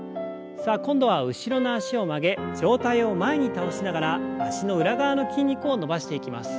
さあ今度は後ろの脚を曲げ上体を前に倒しながら脚の裏側の筋肉を伸ばしていきます。